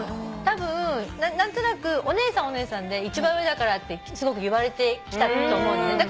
たぶん何となくお姉さんはお姉さんで一番上だからってすごく言われてきたと思うのね。